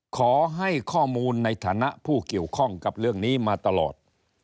ขอให้ข้อมูลในฐานะผู้เกี่ยวข้องกับเรื่องนี้มาตลอด